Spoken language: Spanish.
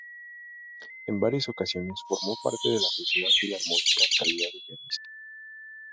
En varias ocasiones formó parte de la Sociedad Filarmónica en calidad de pianista.